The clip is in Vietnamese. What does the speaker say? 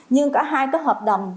nhưng cả hai cái hợp đồng